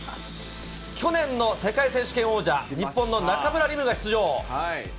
去年の世界選手権王者、日本の中村輪夢が出場。